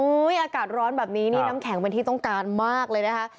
อากาศร้อนแบบนี้นี่น้ำแข็งเป็นที่ต้องการมากเลยนะคะ